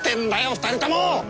２人とも！